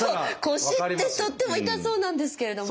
腰ってとっても痛そうなんですけれども。